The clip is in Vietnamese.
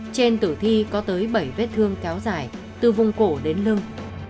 trên tử thi có tới bảy vết thương kéo dài từ vùng cổ đến lưng